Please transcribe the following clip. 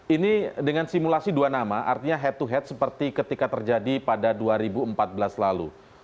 ini dengan simulasi dua nama artinya head to head seperti ketika terjadi pada dua ribu empat belas lalu